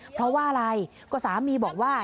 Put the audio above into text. เพราะว่าอะไรก็สามีบอกว่า